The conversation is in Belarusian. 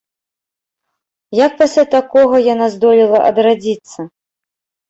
Як пасля такога яна здолела адрадзіцца?